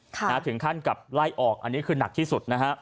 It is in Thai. ถึงขั้นกับไล่ออกอันนี้คือหนักที่สุดนะฮะ